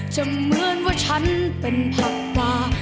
เหมือนว่าฉันเป็นผักปลา